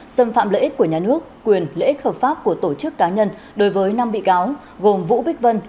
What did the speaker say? xâm phạm lợi ích của nhà nước quyền lợi ích hợp pháp của tổ chức cá nhân đối với năm bị cáo gồm vũ bích vân